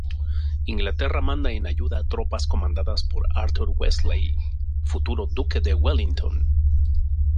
Inglaterra manda en ayuda tropas comandadas por Arthur Wellesley, futuro duque de Wellington.